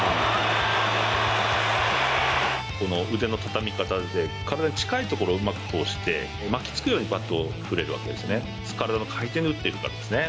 この腕の畳み方で、体に近い所をうまく通して、巻き付くようにバットを振れるわけですね。